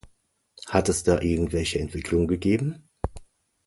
Hat es da irgendwelche Entwicklungen gegeben?